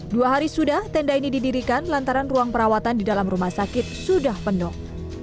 dua hari sudah tenda ini didirikan lantaran ruang perawatan di dalam rumah sakit sudah penuh